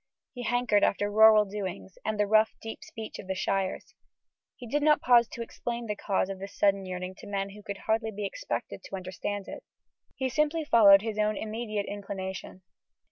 He hankered after rural doings and the rough deep speech of the shires. He did not pause to explain the cause of this sudden yearning to men who could hardly be expected to understand it. He simply followed his own immediate inclination.